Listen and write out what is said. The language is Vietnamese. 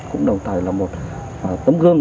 cũng đồng thời là một tấm gương